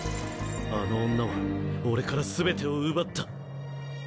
あの女は俺から全てを奪った！